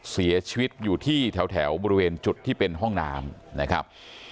เสียชีวิตอยู่ที่แถวบริเวณจุดที่เป็นห้องน้ำนะครับ